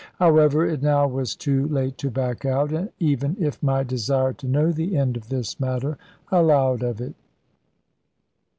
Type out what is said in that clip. However, it now was too late to back out, even if my desire to know the end of this matter allowed of it.